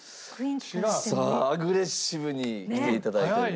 さあアグレッシブにきて頂いています。